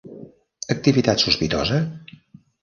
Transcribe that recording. "Activitat sospitosa?